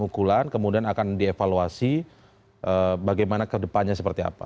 pukulan kemudian akan dievaluasi bagaimana kedepannya seperti apa